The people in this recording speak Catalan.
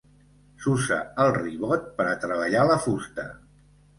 S'usa el ribot per a treballar la fusta.